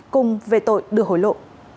cùng về tội được hối lộ